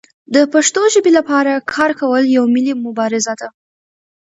د پښتو ژبې لپاره کار کول یوه ملي مبارزه ده.